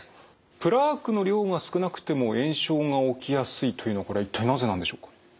プラークの量が少なくても炎症が起きやすいというのはこれは一体なぜなんでしょうか？